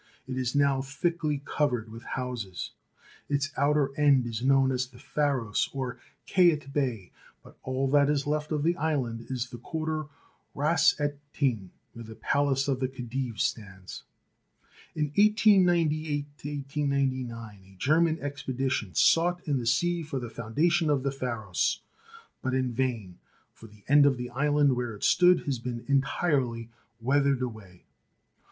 It is now thickly covered with houses. Its outer end is known as the Pharos, or Kait Bey, but all that is left of the island is the quarter Ras et Tin, where the palace of the Khe dive stands. In 1898 9 a German expedition sought in the sea for the foundation of the Pharos, but in vain, for the end of the island where it stood has been entirely weathered away.